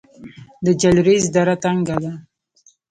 د جلریز دره تنګه ده